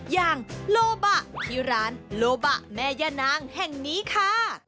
อย่างโลบะที่ร้านโลบะแม่ย่านางแห่งนี้ค่ะ